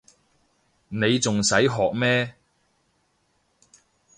你仲使學咩